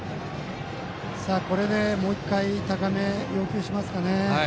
これでもう１回高めを要求しますかね。